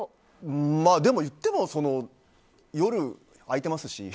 でも、言っても夜、空いてますし。